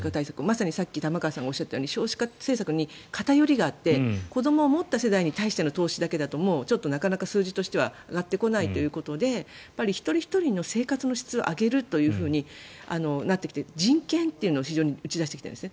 まさにさっき玉川さんが言ったように少子化政策に偏りがあって子どもを持った世帯に対しての投資だけだとなかなか数字としては上がってこないということで一人ひとりの生活の質を上げるとなってきて人権というのを非常に打ち出してきているんです。